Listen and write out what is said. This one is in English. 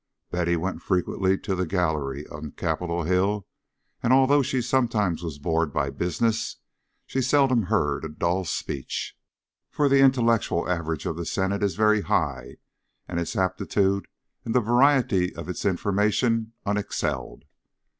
Betty went frequently to the gallery on Capitol Hill, and although she sometimes was bored by "business," she seldom heard a dull speech, for the intellectual average of the Senate is very high, and its aptitude and the variety of its information unexcelled.